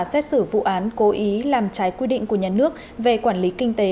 xét xử vụ án cố ý làm trái quy định của nhà nước về quản lý kinh tế